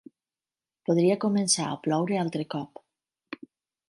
Podria començar a ploure altre cop.